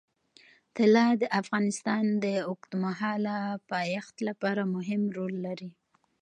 طلا د افغانستان د اوږدمهاله پایښت لپاره مهم رول لري.